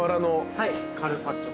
はいカルパッチョ。